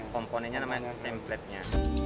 komponennya namanya simpletnya